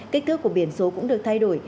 kích thước của biển số cũng được thay đổi